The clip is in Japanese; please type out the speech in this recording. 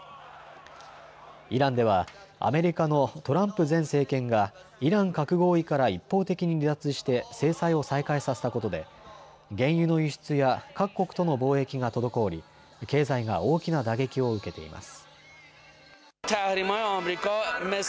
イランではアメリカのトランプ前政権がイラン核合意から一方的に離脱して制裁を再開させたことで原油の輸出や各国との貿易が滞り経済が大きな打撃を受けています。